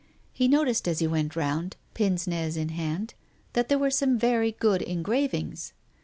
He noticed, as he went round, pince nez in hand, that there were some very good engravings.